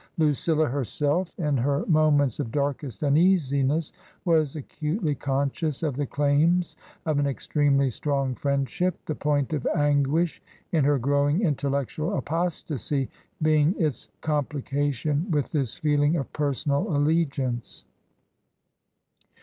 Lucilla herself in her in 17 194 TRANSITION. moments of darkest uneasiness was acutely conscious of the claims of an extremely strong friendship, the point of anguish in her growing intellectual apostacy being its complication with this feeling of personal alle giance.